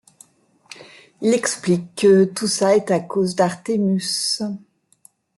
Il explique que tout ça est à cause d'Artémus...